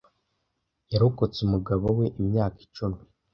Yarokotse umugabo we imyaka icumi.